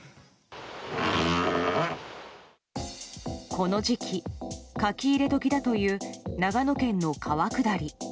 この時期、書き入れ時だという長野県の川下り。